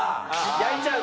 やいちゃう。